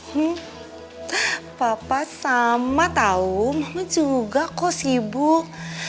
hmm papa sama tau mama juga kok sibuk